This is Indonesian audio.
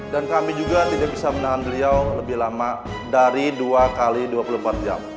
dan kami juga tidak bisa menahan beliau lebih lama dari dua x dua puluh empat jam